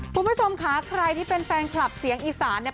คุณผู้ชมค่ะใครที่เป็นแฟนคลับเสียงอีสานเนี่ย